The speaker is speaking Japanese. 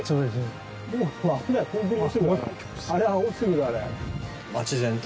あれは落ちてくるあれ。